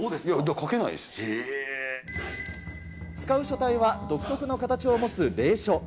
使う書体は独特の形を持つ隷書。